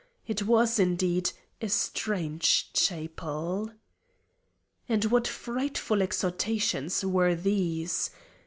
It was, indeed, a strange chapel! And what frightful exhortations were these!